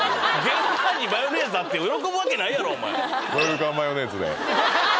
玄関にマヨネーズあって喜ぶわけないやろお前！